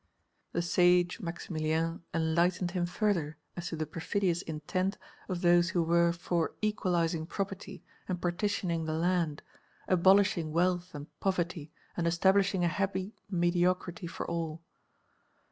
The sage Maximilien enlightened him further as to the perfidious intent of those who were for equalizing property and partitioning the land, abolishing wealth and poverty and establishing a happy mediocrity for all.